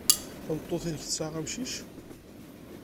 Tameṭṭut-nnek tesɛa amcic?